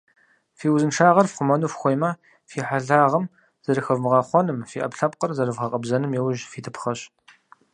Фи узыншагъэр фхъумэну фыхуеймэ, фи хьэлъагъэм зэрыхэвмыгъэхъуэным, фи Ӏэпкълъэпкъыр зэрывгъэкъэбзэным яужь фитыпхъэщ.